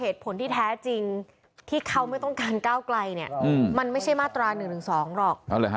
ที่เขาไม่ต้องการก้าวกลายเนี่ยมันไม่ใช่มาตรา๑๑๒หรอก